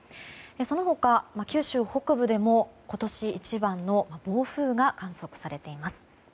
その他、九州北部でも今年一番の暴風が観測されています。